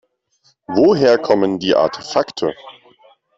Woher kommen die Artefakte?